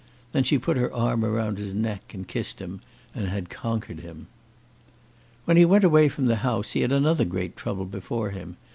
Then she put her arm round his neck, and kissed him, and had conquered him. When he went away from the house he had another great trouble before him.